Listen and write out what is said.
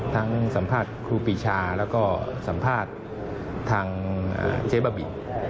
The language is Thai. สัมภาษณ์ครูปีชาแล้วก็สัมภาษณ์ทางเจ๊บ้าบิน